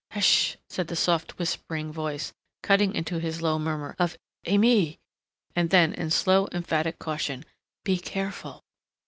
"Hsh!" said the soft, whispering voice, cutting into his low murmur of "Aimée!" and then, in slow emphatic caution, "Be careful!"